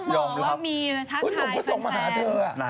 ผมก็ส่งมาหาเธอ